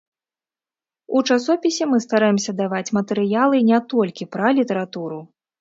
У часопісе мы стараемся даваць матэрыялы не толькі пра літаратуру.